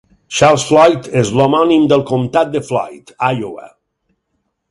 Charles Floyd és l'homònim del comtat de Floyd, Iowa.